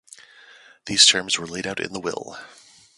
These terms were laid out in the will.